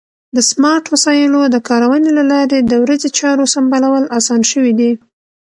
د سمارټ وسایلو د کارونې له لارې د ورځې چارو سمبالول اسان شوي دي.